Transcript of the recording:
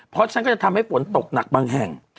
เพราะฉันก็จะทำให้ฝนตกหนักบางแห่ง